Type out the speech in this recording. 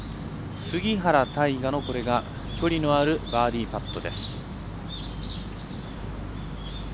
杉原大河の距離のあるバーディーパット。